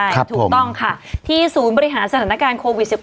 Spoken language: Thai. ใช่ถูกต้องค่ะที่ศูนย์บริหารสถานการณ์โควิด๑๙